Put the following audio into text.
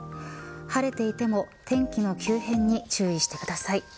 晴れていても天気の急変に注意してください。